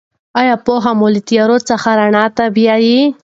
آیا پوهه مو له تیارو څخه رڼا ته بیايي؟